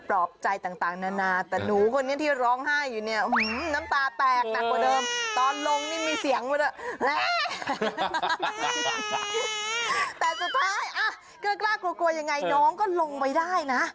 พาครูไปด้วยดิ